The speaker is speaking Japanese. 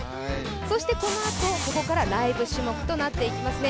そしてこのあと、ここからライブ種目となっていきますね。